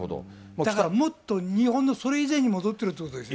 もっと日本のそれ以前に戻ってるってことですね。